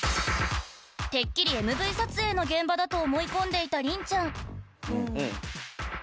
［てっきりＭＶ撮影の現場だと思い込んでいた凛ちゃん］